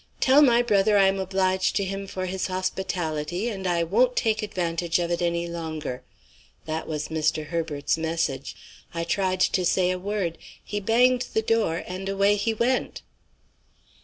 'Tell my brother I am obliged to him for his hospitality, and I won't take advantage of it any longer.' That was Mr. Herbert's message. I tried to say a word. He banged the door, and away he went."